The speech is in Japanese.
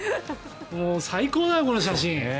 もう最高だよ、この写真。